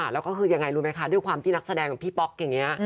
แล้วก็คือยังไงรู้ไหมคะด้วยความที่นักแสดงของพี่ป๊อกอย่างนี้